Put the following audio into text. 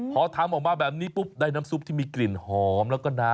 พอทำออกมาแบบนี้ปุ๊บได้น้ำซุปที่มีกลิ่นหอมแล้วก็น้ำ